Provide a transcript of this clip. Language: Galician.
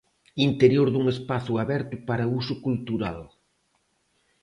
Interior dun espazo aberto para uso cultural.